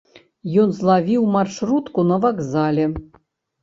Ён злавіў маршрутку на вакзале.